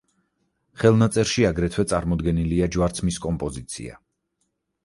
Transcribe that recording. ხელნაწერში აგრეთვე წარმოდგენილია ჯვარცმის კომპოზიცია.